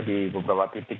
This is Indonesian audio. di beberapa titik